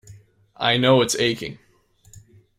I know it's aching.